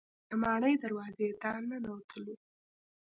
د ماڼۍ دروازې ته ننوتلو.